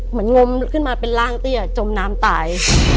เหมือนงมขึ้นมาเป็นร่างตี้อะจมน้ำตาย